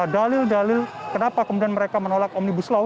dalil dalil kenapa kemudian mereka menolak omnibus law